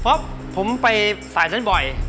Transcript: ผมไปสายด้านบ่อยเพราะฉะนั้นผมเชื่อว่า